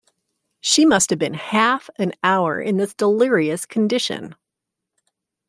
She must have been half an hour in this delirious condition.